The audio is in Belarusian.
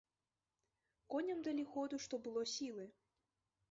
Коням далі ходу што было сілы.